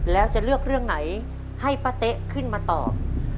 แล้วจะเลือกเรื่องไหนให้ป้าเต๊ะขึ้นมาตอบ